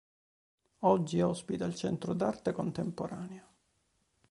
Oggi ospita il centro d'arte contemporanea.